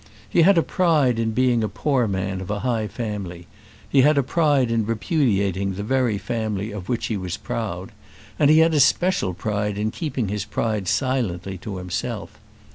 He had a pride in being a poor man of a high family; he had a pride in repudiating the very family of which he was proud; and he had a special pride in keeping his pride silently to himself.